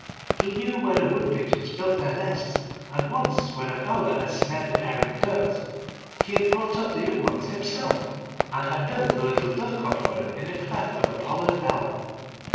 He knew where the wood pigeons built their nests, and once when a fowler had snared the parent birds, he had brought up the young ones himself, and had built a little dovecot for them in the cleft of a pollard elm.